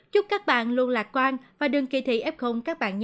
chúc các bạn luôn lạc quan và đừng kỳ thị ép không các bạn nha